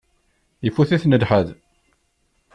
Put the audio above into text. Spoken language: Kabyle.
Ifut-iten lḥal.